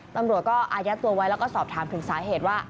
ตำรวจก็อายัดตัวไว้แล้วก็สอบถามถึงสาเหตุว่า